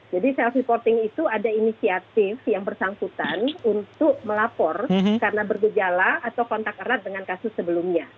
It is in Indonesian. self reporting itu ada inisiatif yang bersangkutan untuk melapor karena bergejala atau kontak erat dengan kasus sebelumnya